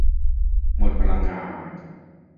หมดพลังงาน